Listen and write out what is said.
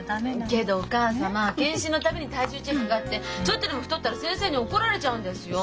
けどお義母様健診の度に体重チェックがあってちょっとでも太ったら先生に怒られちゃうんですよ。